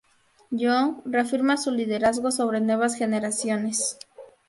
Young reafirma su liderazgo sobre nuevas generaciones.